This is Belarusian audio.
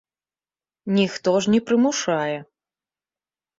Ніхто ж не прымушае.